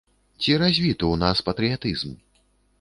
Ці развіты ў нас патрыятызм?